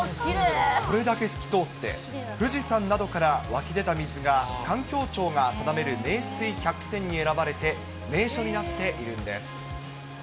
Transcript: これだけ透き通って、富士山などから湧き出た水が、環境庁が定める名水百選に選ばれて、名所になっているんです。